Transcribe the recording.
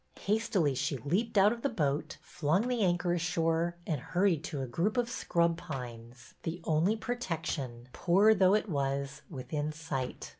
Hastily she leaped out of the boat, flung the anchor ashore, and hurried to a group of scrub pines, the only protection, poor though it was, within sight.